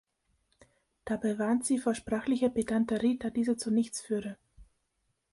Dabei warnt sie vor sprachlicher Pedanterie, da diese zu nichts führe.